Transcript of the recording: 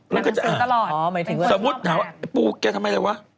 แล้วก็จะอ่านสมมุติเธอว่าปูแกทำไมอะไรวะ